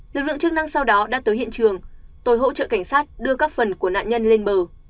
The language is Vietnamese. lực lượng chức năng sau đó đã tới hiện trường tôi hỗ trợ cảnh sát đưa các phần của nạn nhân lên bờ